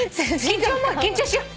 緊張しよう。